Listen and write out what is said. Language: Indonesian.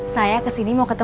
saya kesini mau ketemu